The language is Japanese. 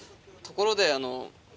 ところで。